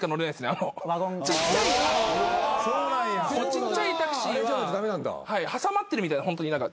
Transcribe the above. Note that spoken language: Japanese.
ちっちゃいタクシーは挟まってるみたいなホントに。